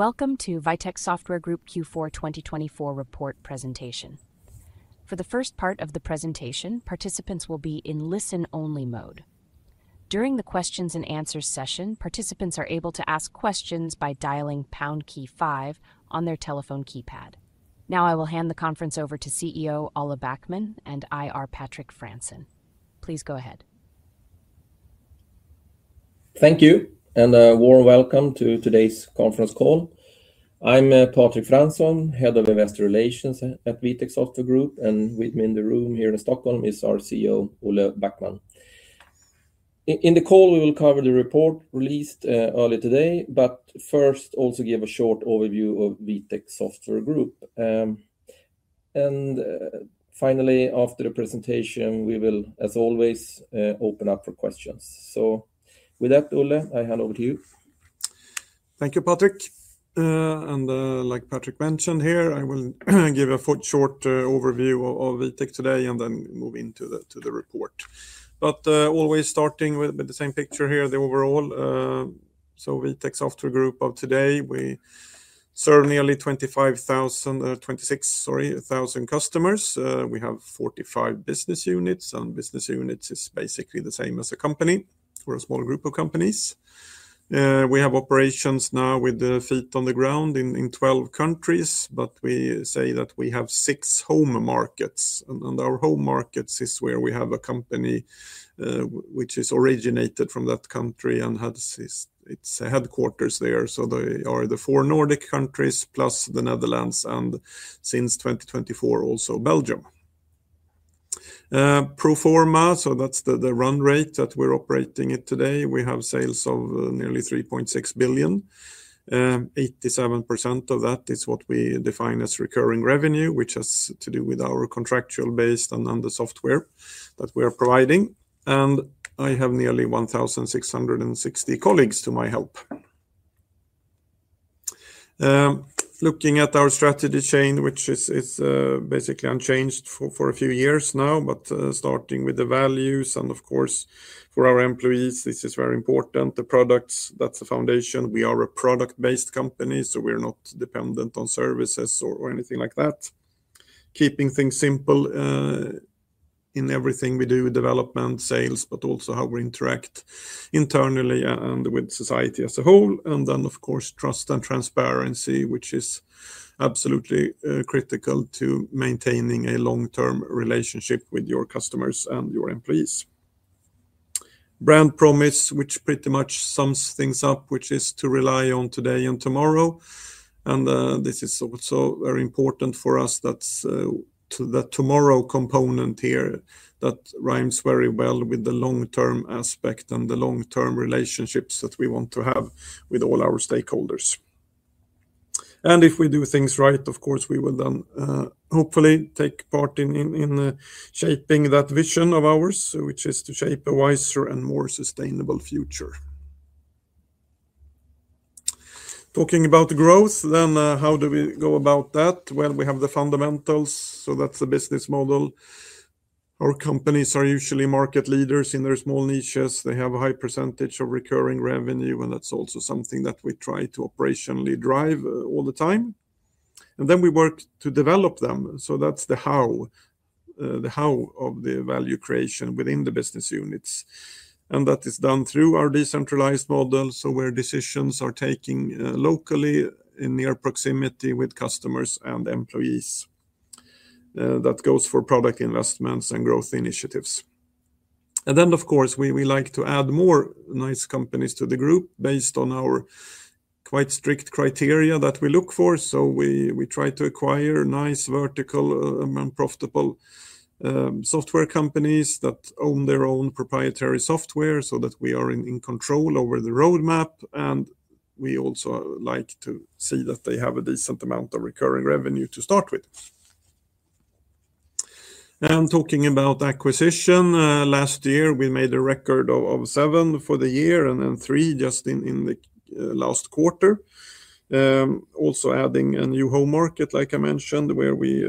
For the first part of the presentation, participants will be in listen-only mode. During the Q&A session, participants are able to ask questions by dialing pound key five on their telephone keypad. Now I will hand the conference over to CEO Olle Backman and IR Patrik Fransson. Please go ahead. Thank you, and a warm welcome to today's conference call. I'm Patrik Fransson, Head of Investor Relations at Vitec Software Group, and with me in the room here in Stockholm is our CEO, Olle Backman. In the call, we will cover the report released earlier today, but first also give a short overview of Vitec Software Group. And finally, after the presentation, we will, as always, open up for questions. So with that, Olle, I hand over to you. Thank you, Patrik. And like Patrik mentioned here, I will give a short overview of Vitec today and then move into the report. But always starting with the same picture here, the overall. So Vitec Software Group of today, we serve nearly 25,000-26,000 customers. We have 45 business units, and business units is basically the same as a company or a small group of companies. We have operations now with feet on the ground in 12 countries, but we say that we have six home markets. And our home markets is where we have a company which is originated from that country and has its headquarters there. So they are the four Nordic countries plus the Netherlands and since 2024 also Belgium. Pro forma, so that's the run rate that we're operating at today, we have sales of nearly 3.6 billion. 87% of that is what we define as recurring revenue, which has to do with our contractual base and the software that we are providing. And I have nearly 1,660 colleagues to my help. Looking at our strategy chain, which is basically unchanged for a few years now, but starting with the values and of course for our employees, this is very important. The products, that's the foundation. We are a product-based company, so we're not dependent on services or anything like that. Keeping things simple in everything we do, development, sales, but also how we interact internally and with society as a whole. And then of course trust and transparency, which is absolutely critical to maintaining a long-term relationship with your customers and your employees. Brand promise, which pretty much sums things up, which is to rely on today and tomorrow. And this is also very important for us, that tomorrow component here that rhymes very well with the long-term aspect and the long-term relationships that we want to have with all our stakeholders. And if we do things right, of course we will then hopefully take part in shaping that vision of ours, which is to shape a wiser and more sustainable future. Talking about growth, then how do we go about that? Well, we have the fundamentals, so that's the business model. Our companies are usually market leaders in their small niches. They have a high percentage of recurring revenue, and that's also something that we try to operationally drive all the time. And then we work to develop them. So that's the how, the how of the value creation within the business units. That is done through our decentralized model, so where decisions are taken locally in near proximity with customers and employees. That goes for product investments and growth initiatives. Of course we like to add more nice companies to the group based on our quite strict criteria that we look for. We try to acquire nice vertical and profitable software companies that own their own proprietary software so that we are in control over the roadmap. We also like to see that they have a decent amount of recurring revenue to start with. Talking about acquisition, last year we made a record of seven for the year and then three just in the last quarter. We also added a new home market, like I mentioned, where we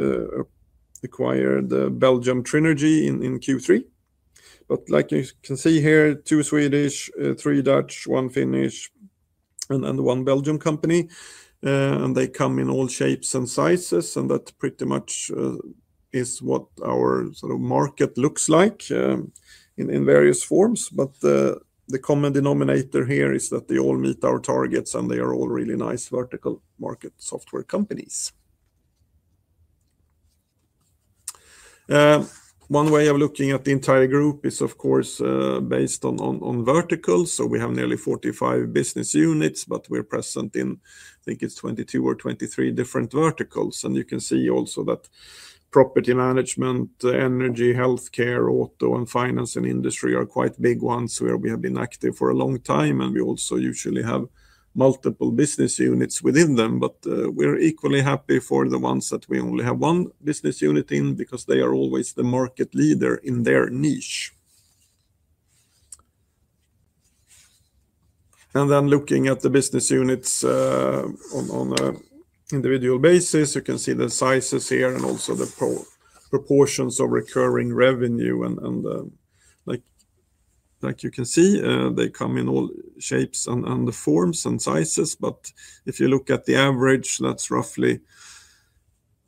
acquired the Belgium Trinergy in Q3. But like you can see here, two Swedish, three Dutch, one Finnish, and one Belgian company. And they come in all shapes and sizes, and that pretty much is what our sort of market looks like in various forms. But the common denominator here is that they all meet our targets and they are all really nice vertical market software companies. One way of looking at the entire group is of course based on verticals. So we have nearly 45 business units, but we're present in, I think it's 22 or 23 different verticals. And you can see also that property management, energy, healthcare, auto, and finance and industry are quite big ones where we have been active for a long time. We also usually have multiple business units within them, but we're equally happy for the ones that we only have one business unit in because they are always the market leader in their niche. Then looking at the business units on an individual basis, you can see the sizes here and also the proportions of recurring revenue. Like you can see, they come in all shapes and forms and sizes. If you look at the average, that's roughly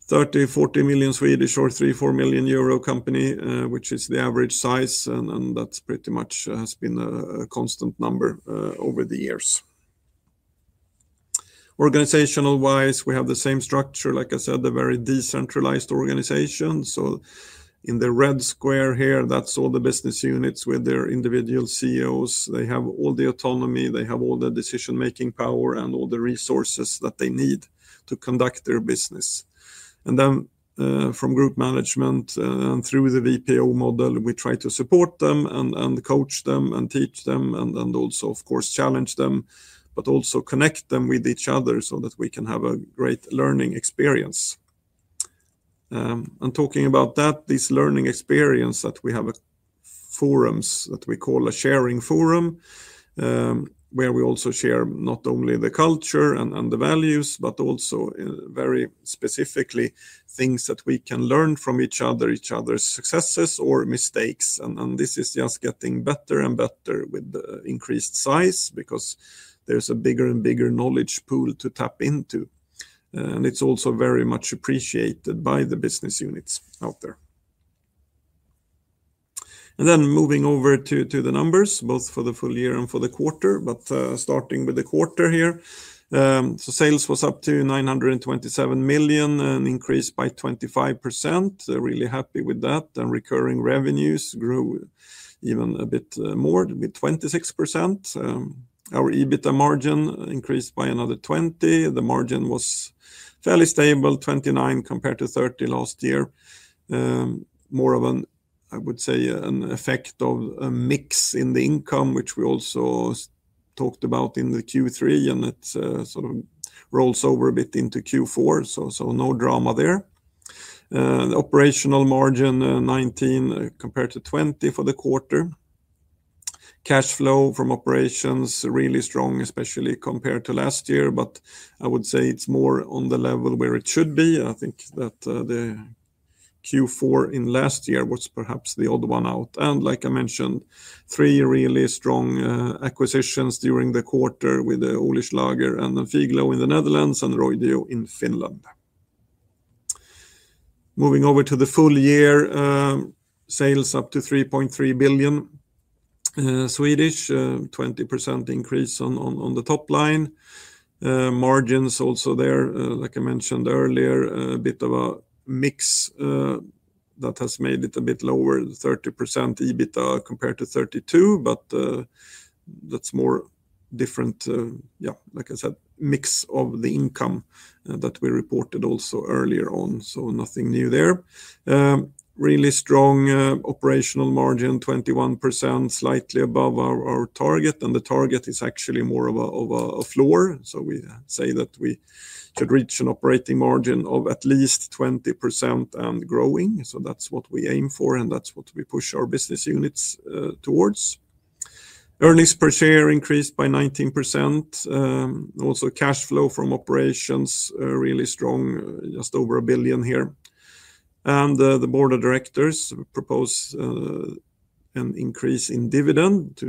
30 million-40 million or 3 million-4 million euro company, which is the average size. That's pretty much has been a constant number over the years. Organizational-wise, we have the same structure. Like I said, a very decentralized organization. In the red square here, that's all the business units with their individual CEOs. They have all the autonomy. They have all the decision-making power and all the resources that they need to conduct their business. And then from group management and through the VPO model, we try to support them and coach them and teach them and then also, of course, challenge them, but also connect them with each other so that we can have a great learning experience. And talking about that, this learning experience that we have forums that we call a sharing forum, where we also share not only the culture and the values, but also very specifically things that we can learn from each other, each other's successes or mistakes. And this is just getting better and better with the increased size because there's a bigger and bigger knowledge pool to tap into. And it's also very much appreciated by the business units out there. And then moving over to the numbers, both for the full year and for the quarter, but starting with the quarter here. So sales was up to 927 million, an increase by 25%. Really happy with that. And recurring revenues grew even a bit more with 26%. Our EBITDA margin increased by another 20%. The margin was fairly stable, 29% compared to 30% last year. More of an, I would say, an effect of a mix in the income, which we also talked about in the Q3 and it sort of rolls over a bit into Q4. So no drama there. Operational margin, 19% compared to 20% for the quarter. Cash flow from operations, really strong, especially compared to last year, but I would say it's more on the level where it should be. I think that the Q4 in last year was perhaps the odd one out. Like I mentioned, three really strong acquisitions during the quarter with the Olyslager and the Figlo in the Netherlands and Roidu in Finland. Moving over to the full year, sales up to 3.3 billion, 20% increase on the top line. Margins also there, like I mentioned earlier, a bit of a mix that has made it a bit lower, 30% EBITDA compared to 32%, but that's more different, yeah, like I said, mix of the income that we reported also earlier on. So nothing new there. Really strong operational margin, 21%, slightly above our target. And the target is actually more of a floor. So we say that we should reach an operating margin of at least 20% and growing. So that's what we aim for and that's what we push our business units towards. Earnings per share increased by 19%. Also cash flow from operations, really strong, just over 1 billion here. And the board of directors proposed an increase in dividend to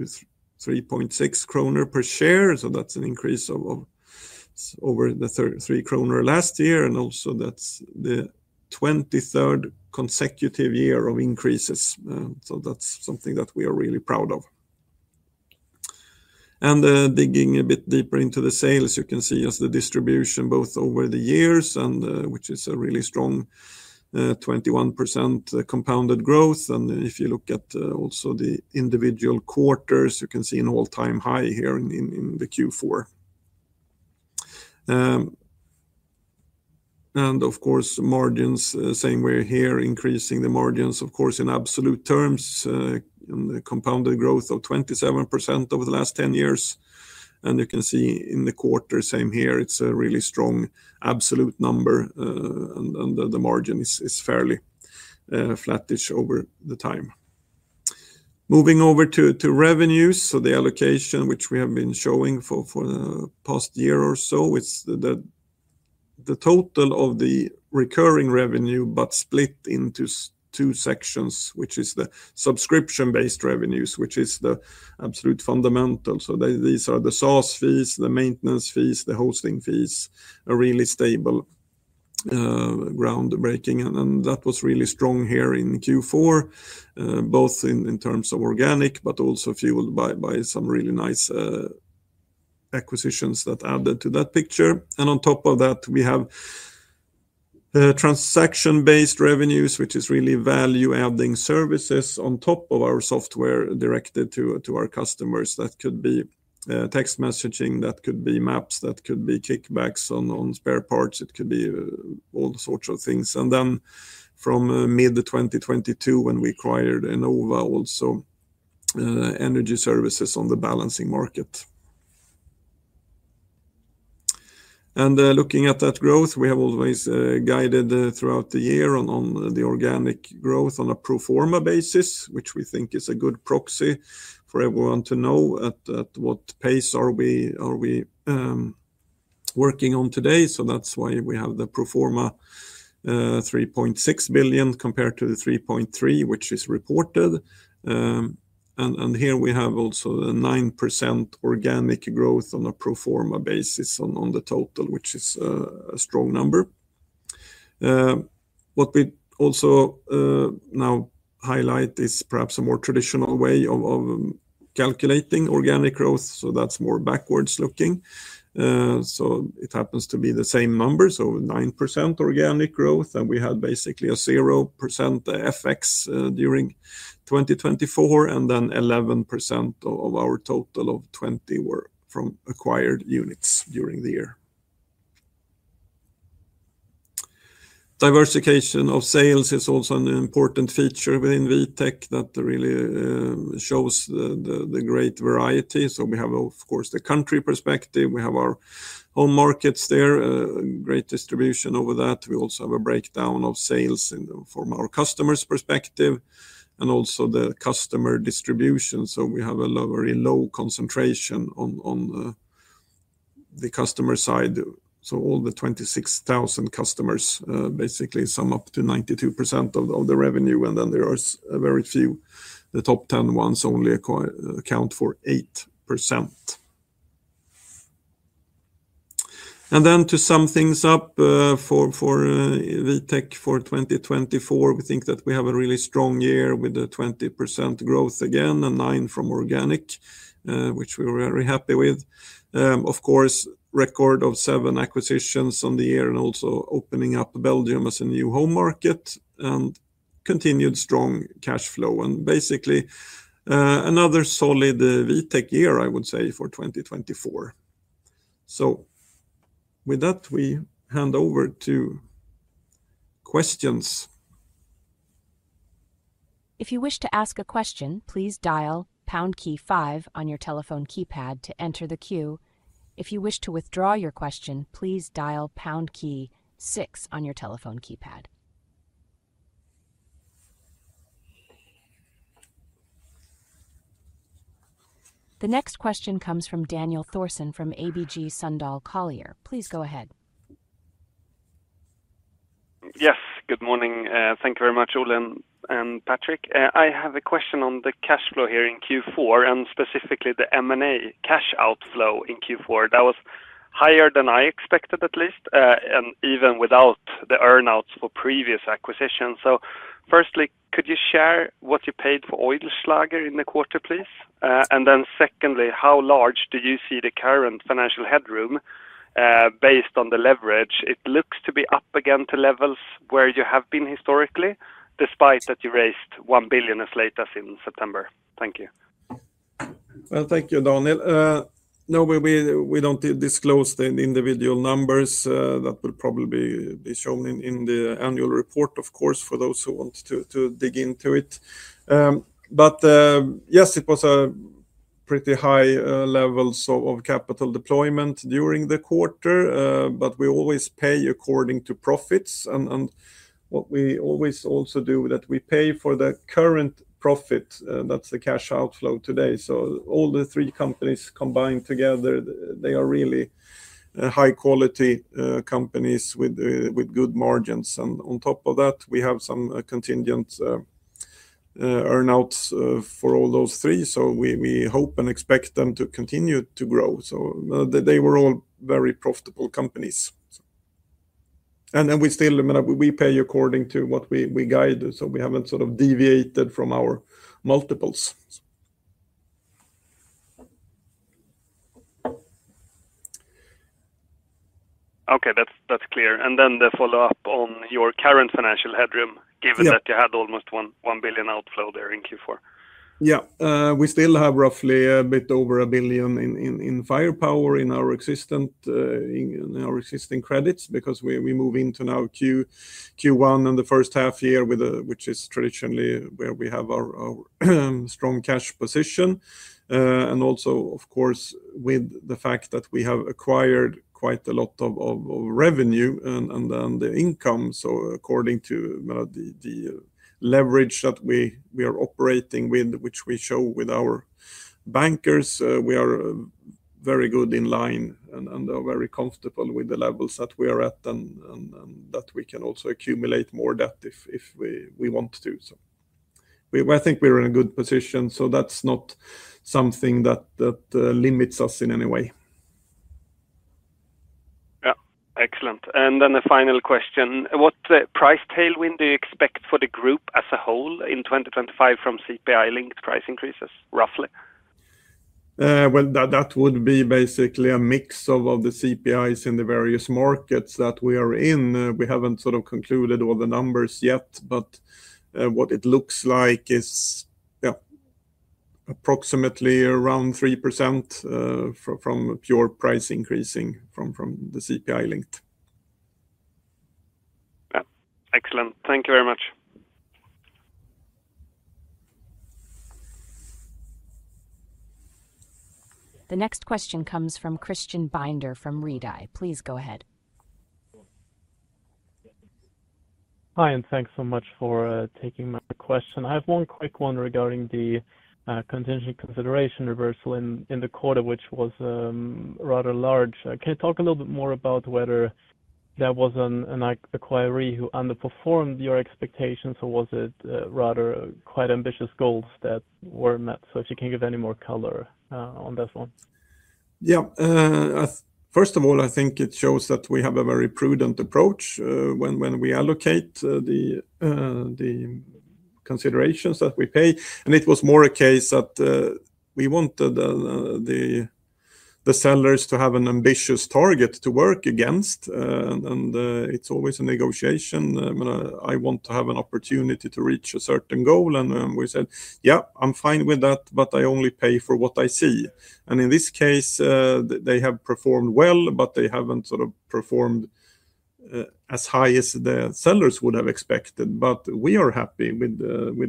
3.6 krona per share. So that's an increase over the 3 krona last year. And also that's the 23rd consecutive year of increases. So that's something that we are really proud of. And digging a bit deeper into the sales, you can see the distribution both over the years, which is a really strong 21% compounded growth. And if you look at also the individual quarters, you can see an all-time high here in the Q4. And of course, margins, same way here, increasing the margins, of course, in absolute terms, compounded growth of 27% over the last 10 years. And you can see in the quarter, same here, it's a really strong absolute number and the margin is fairly flattish over the time. Moving over to revenues. So the allocation, which we have been showing for the past year or so, is the total of the recurring revenue, but split into two sections, which is the subscription-based revenues, which is the absolute fundamental. So these are the SaaS fees, the maintenance fees, the hosting fees, a really stable groundbreaking. And that was really strong here in Q4, both in terms of organic, but also fueled by some really nice acquisitions that added to that picture. And on top of that, we have transaction-based revenues, which is really value-adding services on top of our software directed to our customers. That could be text messaging, that could be maps, that could be kickbacks on spare parts. It could be all sorts of things. And then from mid-2022, when we acquired Enova, also energy services on the balancing market. Looking at that growth, we have always guided throughout the year on the organic growth on a pro forma basis, which we think is a good proxy for everyone to know at what pace are we working on today. That's why we have the pro forma 3.6 billion compared to the 3.3 billion, which is reported. Here we have also the nine percent organic growth on a pro forma basis on the total, which is a strong number. What we also now highlight is perhaps a more traditional way of calculating organic growth. That's more backwards looking. It happens to be the same number, so nine percent organic growth. We had basically a zero percent FX during 2024. Then 11% of our total of 20% were from acquired units during the year. Diversification of sales is also an important feature within Vitec that really shows the great variety. We have of course the country perspective. We have our home markets there, great distribution over that. We also have a breakdown of sales from our customers' perspective and also the customer distribution. So we have a very low concentration on the customer side. So all the 26,000 customers basically sum up to 92% of the revenue. And then there are very few, the top 10 ones only account for eight percent. And then to sum things up for Vitec for 2024, we think that we have a really strong year with a 20% growth again and nine from organic, which we were very happy with. Of course, record of seven acquisitions on the year and also opening up Belgium as a new home market and continued strong cash flow. And basically another solid Vitec year, I would say, for 2024. So with that, we hand over to questions. If you wish to ask a question, please dial pound key five on your telephone keypad to enter the queue. If you wish to withdraw your question, please dial pound key six on your telephone keypad. The next question comes from Daniel Thorsson from ABG Sundal Collier. Please go ahead. Yes, good morning. Thank you very much, Olle and Patrik. I have a question on the cash flow here in Q4 and specifically the M&A cash outflow in Q4. That was higher than I expected at least, and even without the earnouts for previous acquisitions. So firstly, could you share what you paid for Olyslager in the quarter, please? And then secondly, how large do you see the current financial headroom based on the leverage? It looks to be up again to levels where you have been historically, despite that you raised 1 billion as late as in September. Thank you. Thank you, Daniel. No, we don't disclose the individual numbers. That will probably be shown in the annual report, of course, for those who want to dig into it. But yes, it was a pretty high level of capital deployment during the quarter, but we always pay according to profits. And what we always also do is that we pay for the current profit. That's the cash outflow today. So all the three companies combined together, they are really high-quality companies with good margins. And on top of that, we have some contingent earnouts for all those three. So we hope and expect them to continue to grow. So they were all very profitable companies. And we still, we pay according to what we guide. So we haven't sort of deviated from our multiples. Okay, that's clear. Then the follow-up on your current financial headroom, given that you had almost 1 billion outflow there in Q4. Yeah, we still have roughly a bit over a billion in firepower in our existing credits because we move into now Q1 and the first half year, which is traditionally where we have our strong cash position. And also, of course, with the fact that we have acquired quite a lot of revenue and the income. So according to the leverage that we are operating with, which we show with our bankers, we are very good in line and very comfortable with the levels that we are at and that we can also accumulate more debt if we want to. So I think we're in a good position. So that's not something that limits us in any way. Yeah, excellent. And then the final question. What price tailwind do you expect for the group as a whole in 2025 from CPI-linked price increases, roughly? Well, that would be basically a mix of the CPIs in the various markets that we are in. We haven't sort of concluded all the numbers yet, but what it looks like is, yeah, approximately around three percent from pure price increasing from the CPI-linked. Excellent. Thank you very much. The next question comes from Christian Binder from Redeye. Please go ahead. Hi, and thanks so much for taking my question. I have one quick one regarding the contingent consideration reversal in the quarter, which was rather large. Can you talk a little bit more about whether that was an acquisition who underperformed your expectations, or was it rather quite ambitious goals that were met? So if you can give any more color on that one. Yeah, first of all, I think it shows that we have a very prudent approach when we allocate the considerations that we pay, and it was more a case that we wanted the sellers to have an ambitious target to work against, and it's always a negotiation. I want to have an opportunity to reach a certain goal, and we said, yeah, I'm fine with that, but I only pay for what I see, and in this case, they have performed well, but they haven't sort of performed as high as the sellers would have expected, but we are happy with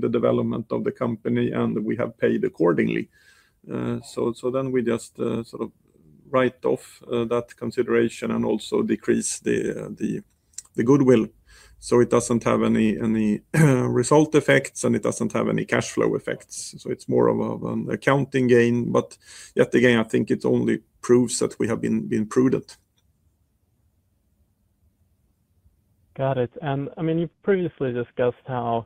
the development of the company, and we have paid accordingly, so then we just sort of write off that consideration and also decrease the goodwill, so it doesn't have any result effects, and it doesn't have any cash flow effects, so it's more of an accounting gain. But yet again, I think it only proves that we have been prudent. Got it. And I mean, you've previously discussed how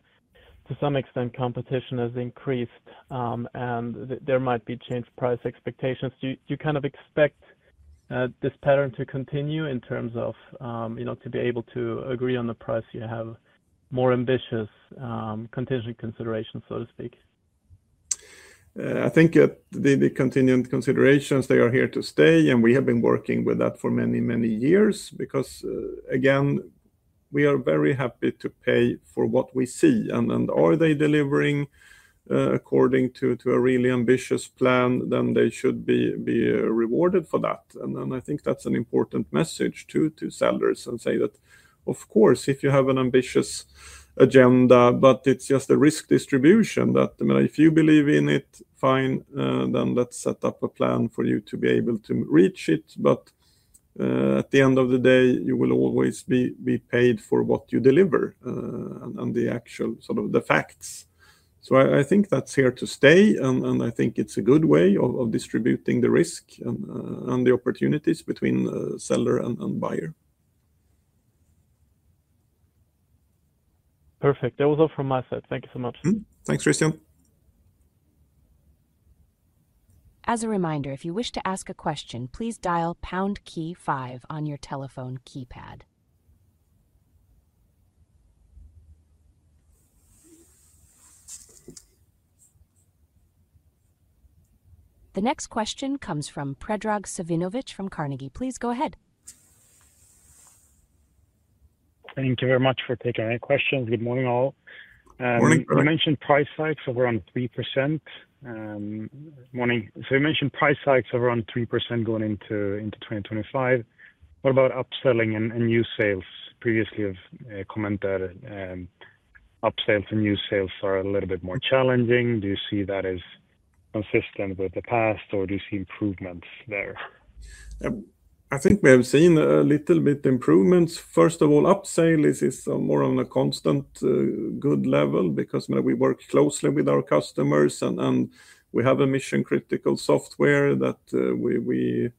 to some extent competition has increased and there might be changed price expectations. Do you kind of expect this pattern to continue in terms of to be able to agree on the price you have more ambitious contingent considerations, so to speak? I think the contingent considerations, they are here to stay, and we have been working with that for many, many years because, again, we are very happy to pay for what we see. And are they delivering according to a really ambitious plan, then they should be rewarded for that. I think that's an important message to sellers and say that, of course, if you have an ambitious agenda, but it's just a risk distribution that, I mean, if you believe in it, fine, then let's set up a plan for you to be able to reach it. But at the end of the day, you will always be paid for what you deliver and the actual sort of the facts. So I think that's here to stay, and I think it's a good way of distributing the risk and the opportunities between seller and buyer. Perfect. That was all from my side. Thank you so much. Thanks, Christian. As a reminder, if you wish to ask a question, please dial pound key five on your telephone keypad. The next question comes from Predrag Savinovic from Carnegie. Please go ahead. Thank you very much for taking my questions. Good morning, Olle. Good morning. You mentioned price hikes of around three percent. So you mentioned price hikes of around three percent going into 2025. What about upselling and new sales? Previously, you've commented that upsales and new sales are a little bit more challenging. Do you see that as consistent with the past, or do you see improvements there? I think we have seen a little bit of improvements. First of all, upsale is more on a constant good level because we work closely with our customers, and we have a mission-critical software that we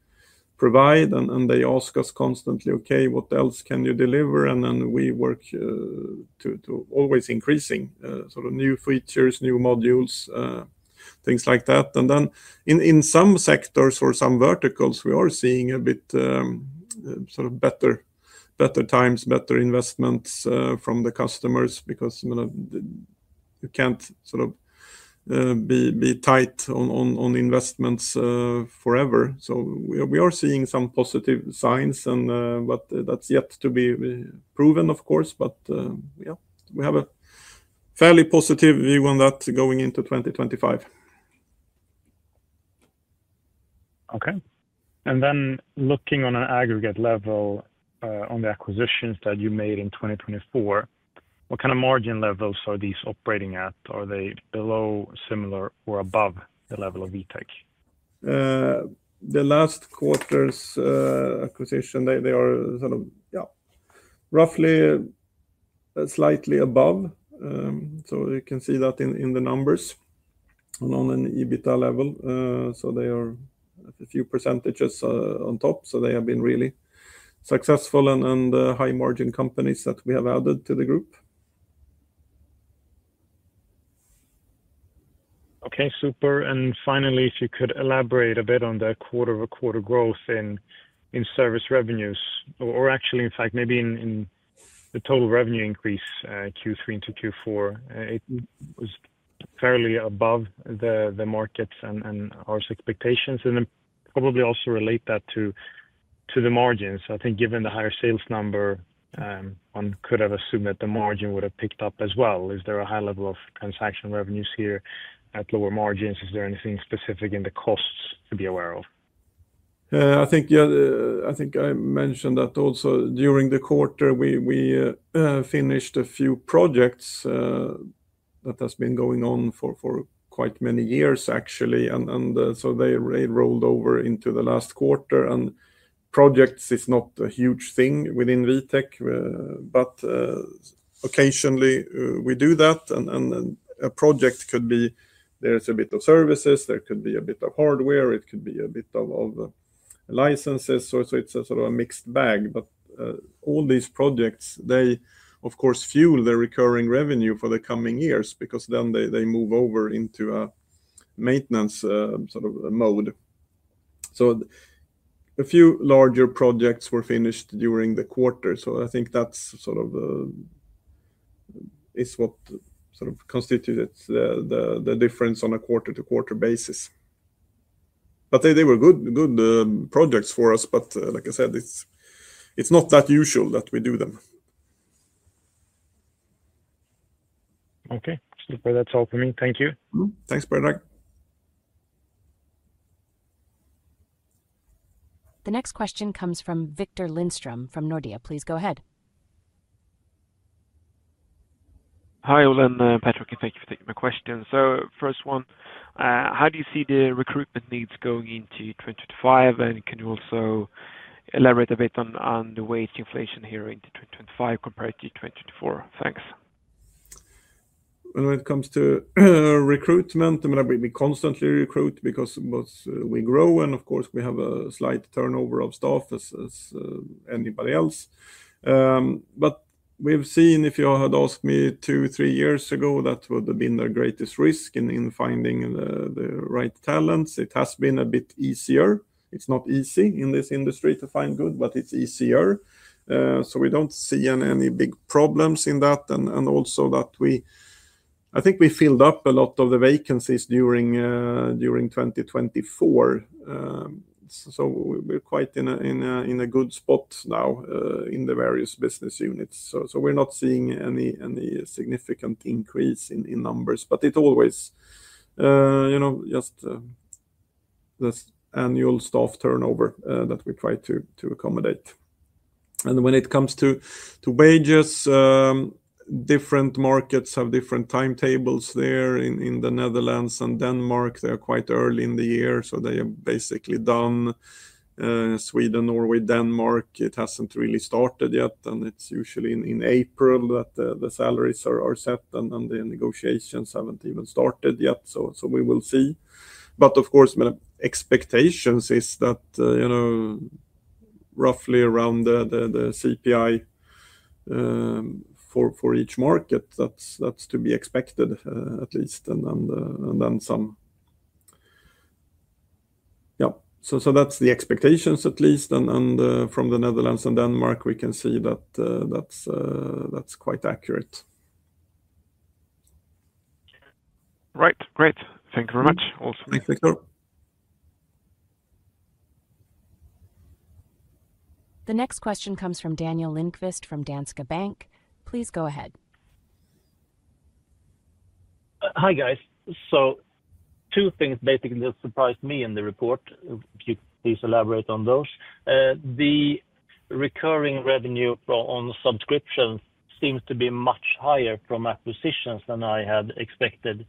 provide. And they ask us constantly, "Okay, what else can you deliver?" And then we work to always increasing sort of new features, new modules, things like that. And then in some sectors or some verticals, we are seeing a bit sort of better times, better investments from the customers because you can't sort of be tight on investments forever. So we are seeing some positive signs, but that's yet to be proven, of course. But yeah, we have a fairly positive view on that going into 2025. Okay. And then looking on an aggregate level on the acquisitions that you made in 2024, what kind of margin levels are these operating at? Are they below, similar, or above the level of Vitec? The last quarter's acquisition, they are sort of, yeah, roughly slightly above. So you can see that in the numbers and on an EBITDA level. So they are a few percentages on top. So they have been really successful and high-margin companies that we have added to the group. Okay, super. Finally, if you could elaborate a bit on the quarter-over-quarter growth in service revenues, or actually, in fact, maybe in the total revenue increase Q3 into Q4, it was fairly above the markets and our expectations. Then probably also relate that to the margins. I think given the higher sales number, one could have assumed that the margin would have picked up as well. Is there a high level of transaction revenues here at lower margins? Is there anything specific in the costs to be aware of? I think I mentioned that also during the quarter, we finished a few projects that have been going on for quite many years, actually. So they rolled over into the last quarter. Projects is not a huge thing within Vitec, but occasionally we do that. A project could be there's a bit of services, there could be a bit of hardware, it could be a bit of licenses. So it's a sort of a mixed bag. But all these projects, they, of course, fuel the recurring revenue for the coming years because then they move over into a maintenance sort of mode. So a few larger projects were finished during the quarter. So I think that sort of is what sort of constituted the difference on a quarter-to-quarter basis. But they were good projects for us, but like I said, it's not that usual that we do them. Okay, super. That's all for me. Thank you. Thanks, Predrag. The next question comes from Victor Lindström from Nordea. Please go ahead. Hi, Olle and Patrik. Thank you for taking my question. So first one, how do you see the recruitment needs going into 2025? And can you also elaborate a bit on the wage inflation here into 2025 compared to 2024? Thanks. When it comes to recruitment, I mean, we constantly recruit because we grow, and of course, we have a slight turnover of staff as anybody else. But we've seen, if you had asked me two, three years ago, that would have been the greatest risk in finding the right talents. It has been a bit easier. It's not easy in this industry to find good, but it's easier. So we don't see any big problems in that. And also, I think we filled up a lot of the vacancies during 2024. So we're quite in a good spot now in the various business units. So we're not seeing any significant increase in numbers, but it always just annual staff turnover that we try to accommodate. And when it comes to wages, different markets have different timetables there in the Netherlands and Denmark. They are quite early in the year, so they are basically done. Sweden, Norway, Denmark, it hasn't really started yet, and it's usually in April that the salaries are set, and the negotiations haven't even started yet. So we will see. But of course, expectations is that roughly around the CPI for each market, that's to be expected at least. And then some, yeah, so that's the expectations at least. And from the Netherlands and Denmark, we can see that that's quite accurate. Right, great. Thank you very much. Thanks, Victor. The next question comes from Daniel Lindkvist from Danske Bank. Please go ahead. Hi guys. So two things basically surprised me in the report. Please elaborate on those. The recurring revenue on subscriptions seems to be much higher from acquisitions than I had expected.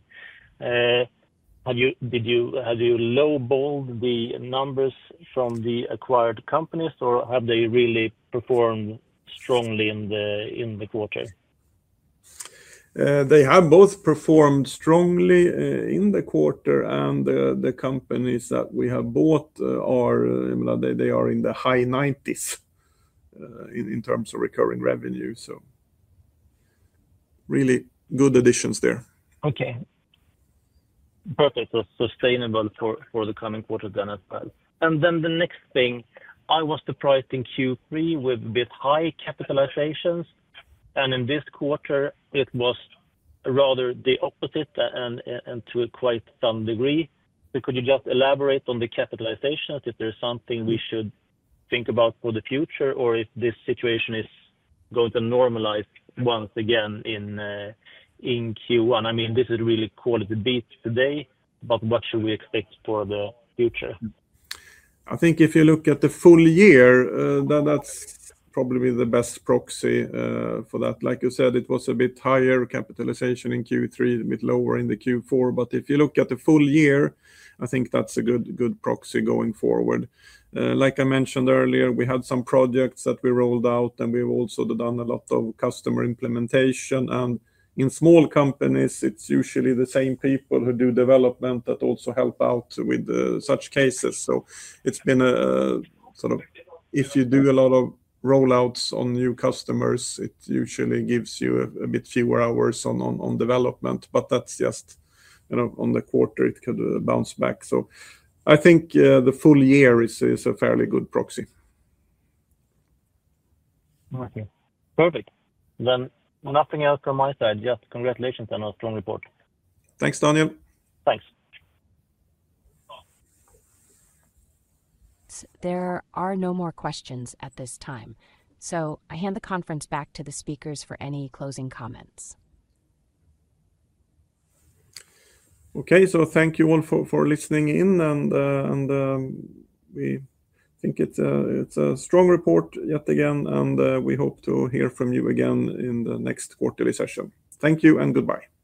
Did you low-ball the numbers from the acquired companies, or have they really performed strongly in the quarter? They have both performed strongly in the quarter, and the companies that we have bought are in the high 90s in terms of recurring revenue. So really good additions there. Okay. Perfect. Sustainable for the coming quarter then as well. And then the next thing, I was surprised in Q3 with a bit high capitalizations, and in this quarter, it was rather the opposite and to quite some degree. So could you just elaborate on the capitalizations? Is there something we should think about for the future, or if this situation is going to normalize once again in Q1? I mean, this is really quarter-to-beat today, but what should we expect for the future? I think if you look at the full year, that's probably the best proxy for that. Like you said, it was a bit higher capitalization in Q3, a bit lower in the Q4, but if you look at the full year, I think that's a good proxy going forward. Like I mentioned earlier, we had some projects that we rolled out, and we've also done a lot of customer implementation, and in small companies, it's usually the same people who do development that also help out with such cases, so it's been sort of, if you do a lot of rollouts on new customers, it usually gives you a bit fewer hours on development, but that's just on the quarter, it could bounce back, so I think the full year is a fairly good proxy. Okay. Perfect, then nothing else from my side. Yes, congratulations and a strong report. Thanks, Daniel. Thanks. There are no more questions at this time. So I hand the conference back to the speakers for any closing comments. Okay, so thank you all for listening in, and we think it's a strong report yet again, and we hope to hear from you again in the next quarterly session. Thank you and goodbye.